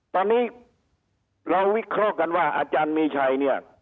ตอนนี้เราวิเคราะห์กันว่าอาจารย์มีชัยเนี่ย